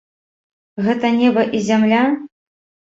Гэта неба і зямля?